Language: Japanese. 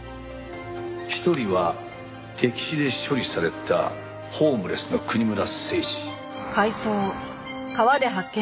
一人は溺死で処理されたホームレスの国村誠司。